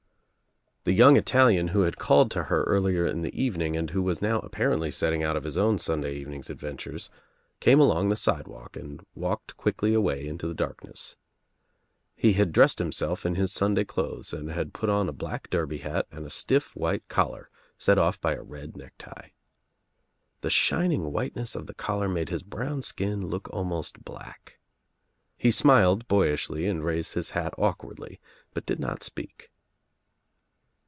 The young Italian, who had called to her earlier in the evening and who was now apparently setting out of his own Sunday evening's adventures, came along the sidewalk and walked quickly away Into the dark ness. He had dressed himself in his Sunday clothes and had put on a black derby hat and a stiff white collar, set off by a red necktie. The shining whiteness of the collar made his brown skin look almost black. He smiled boyishly and raised his hat awkwardly but did not speak.